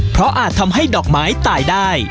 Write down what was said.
เพราะอาจทำให้ดอกไม้ตายได้